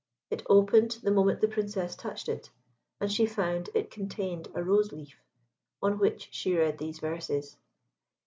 It opened the moment the Princess touched it, and she found it contained a rose leaf, on which she read these verses.